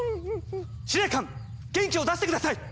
司令官元気を出して下さい！